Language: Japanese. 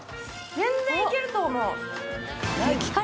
全然いけると思う。